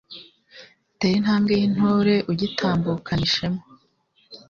tera intambwe y'intore ugitambukana ishema